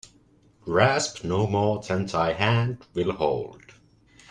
Grasp no more than thy hand will hold.